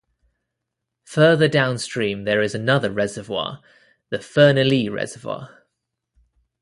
Further downstream there is another reservoir, the Fernilee reservoir.